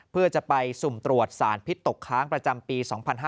เพื่อจะไปสุ่มตรวจสารพิษตกค้างประจำปี๒๕๕๙